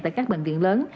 tại các bệnh viện lớn